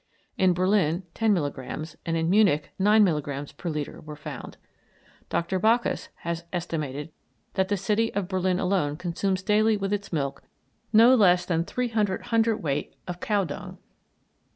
In Berlin 10 milligrammes, and in Munich 9 milligrammes per litre, were found. Dr. Backhaus has estimated that the city of Berlin alone consumes daily with its milk no less than 300 cwt. of cow dung.